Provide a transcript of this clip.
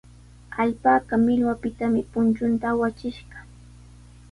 Alpaka millwapitami punchunta awachishqa.